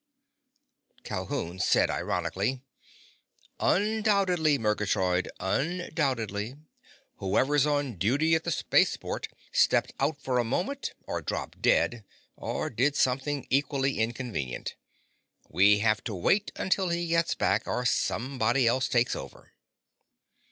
Calhoun said ironically, "Undoubtedly, Murgatroyd. Undoubtedly! Whoever's on duty at the spaceport stepped out for a moment, or dropped dead, or did something equally inconvenient. We have to wait until he gets back or somebody else takes over."